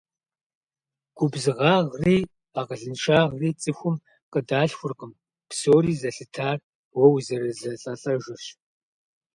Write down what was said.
Губзыгъагъри акъылыншагъри цӀыхум къыдалъхуркъым, псори зэлъытар уэ узэрызэлӀэлӀэжырщ.